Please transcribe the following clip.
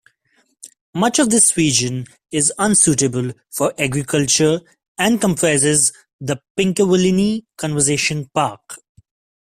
Much of this region is unsuitable for agriculture and comprises the Pinkawillinie Conservation Park.